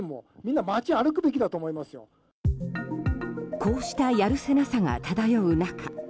こうしたやるせなさが漂う中